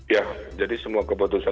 ya jadi semua keputusan